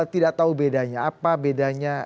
tidak tahu bedanya apa bedanya